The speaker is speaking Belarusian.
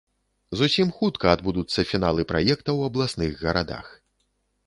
Зусім хутка адбудуцца фіналы праекта ў абласных гарадах.